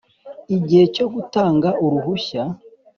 igihe cyo gutanga uruhushya